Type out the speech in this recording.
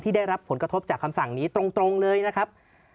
ได้รับผลกระทบจากคำสั่งนี้ตรงเลยนะครับ